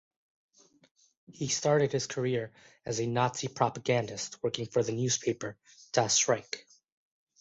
He started his career as a Nazi propagandist, working for the newspaper "Das Reich".